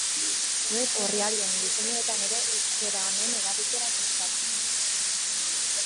Web orrialdeen diseinuetan ere hizkera honen erabilera sustatzeko.